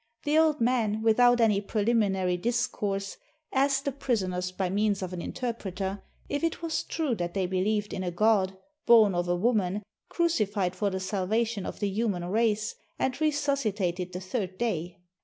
The old man, without any preliminary discourse, asked the pris oners by means of an interpreter if it was true that they believed in a God, born of a woman, crucified for the salvation of the human race, and resuscitated the third day.